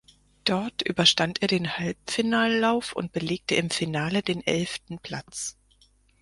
Dort überstand er den Halbfinallauf und belegte im Finale den elften Platz.